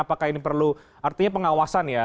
apakah ini perlu artinya pengawasan ya